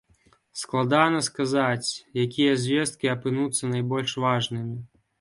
Складана сказаць, якія звесткі апынуцца найбольш важнымі.